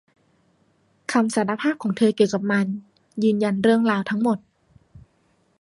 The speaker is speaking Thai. คำสารภาพของเธอเกี่ยวกับมันยืนยันเรื่องราวทั้งหมด